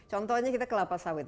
contohnya kita kelapa sawit